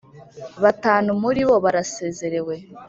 Batanu muribo barasezerewe.